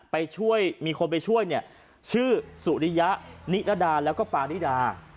ไปช่วยมีคนไปช่วยเนี่ยชื่อสุริยะนิรดาแล้วก็ฟาริดา